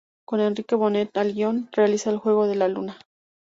Con Enrique Bonet al guion, realiza "El Juego de la Luna".